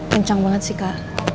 kenceng banget sih kak